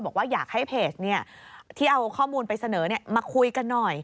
บอกว่าอยากให้เพจที่เอาข้อมูลไปเสนอมาคุยกันหน่อย